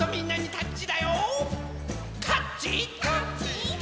「タッチ！」